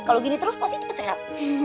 kalau gini terus pasti keceap